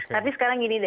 tapi sekarang ini